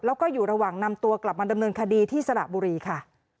แล้วก็อยู่ระหว่างนำตัวกลับมาดำเนินคดีที่สระบุรีค่ะ